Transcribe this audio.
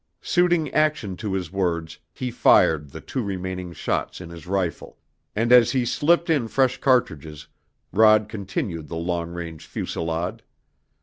Suiting action to his words he fired the two remaining shots in his rifle, and as he slipped in fresh cartridges Rod continued the long range fusillade.